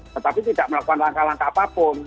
tetapi tidak melakukan langkah langkah apapun